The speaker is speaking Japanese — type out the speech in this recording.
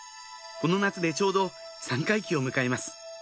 この夏でちょうど三回忌を迎えます